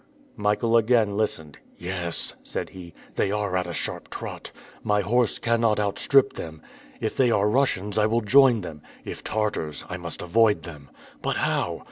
Michael again listened. "Yes," said he, "they are at a sharp trot. My horse cannot outstrip them. If they are Russians I will join them; if Tartars I must avoid them. But how?